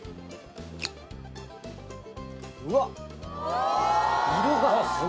うわっ！